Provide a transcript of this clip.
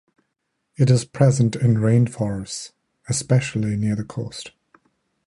It is present in rain forests, especially near the coast.